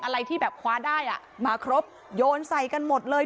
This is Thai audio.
อะไรที่แบบคว้าได้อ่ะมาครบโยนใส่กันหมดเลย